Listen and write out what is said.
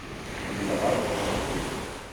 Ḥemmleɣ ad ɣṛeɣ.